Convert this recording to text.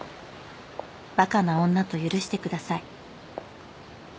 「バカな女と許してください」